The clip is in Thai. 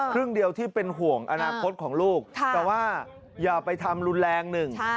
ครึ่งเดียวที่เป็นห่วงอนาคตของลูกแต่ว่าอย่าไปทำรุนแรงหนึ่ง